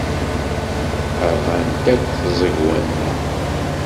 Rɣant akk tẓegwa-nneɣ.